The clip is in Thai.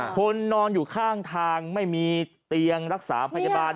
คนนอนอยู่ข้างทางไม่มีเตียงรักษาพยาบาล